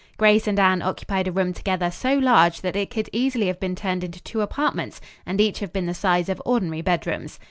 Grace and Anne occupied a room together so large that it could easily have been turned into two apartments and each have been the size of ordinary bedrooms.